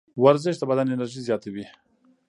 ورزش د بدن انرژي زیاتوي.